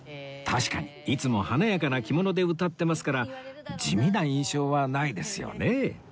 確かにいつも華やかな着物で歌ってますから地味な印象はないですよね